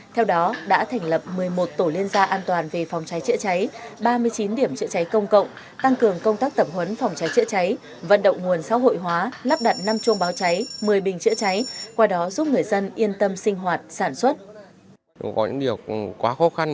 theo đó đã thành lập một mươi một tổ liên gia an toàn về phòng cháy chữa cháy ba mươi chín điểm chữa cháy công cộng tăng cường công tác tẩm huấn phòng cháy chữa cháy vận động nguồn xã hội hóa lắp đặt năm chuông báo cháy một mươi bình chữa cháy qua đó giúp người dân yên tâm sinh hoạt sản xuất